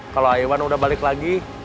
kalau iwan udah balik lagi